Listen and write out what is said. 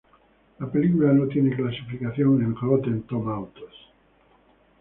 La película no tiene clasificación en Rotten Tomatoes.